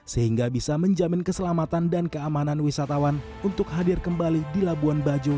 sehingga bisa menjamin keselamatan dan keamanan wisatawan untuk hadir kembali di labuan bajo